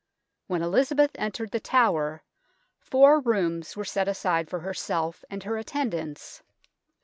When Elizabeth entered The Tower, four rooms were set aside for herself and her attendants.